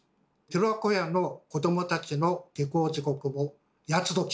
寺子屋の子どもたちの下校時刻も八つ刻。